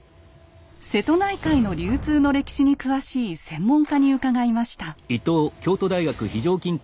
瀬戸内海の流通の歴史に詳しい専門家に伺いました。